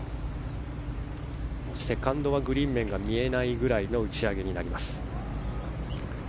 セカンドはグリーン面が見えないくらいの打ち上げになります。